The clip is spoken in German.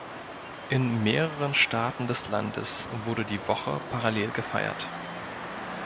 In mehreren Staaten des Landes wurde die Woche parallel gefeiert.